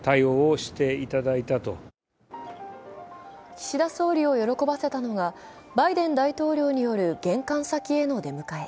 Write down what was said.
岸田総理を喜ばせたのが、バイデン大統領による玄関先への出迎え。